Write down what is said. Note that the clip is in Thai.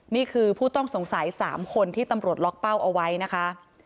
นี่คือผู้ต้องสงสัย๓คนที่ตำรวจล็อกเป้าเอาไว้นะคะ